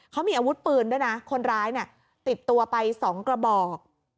เขามีอาวุธปืนด้วยนะคนร้ายเนี่ยติดตัวไป๒กระบอก